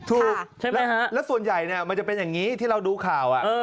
ถูกแล้วส่วนใหญ่มันจะเป็นอย่างนี้ที่เราดูข่าว